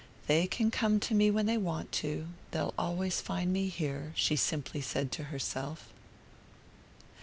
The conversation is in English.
"They can come to me when they want to they'll always find me here," she simply said to herself.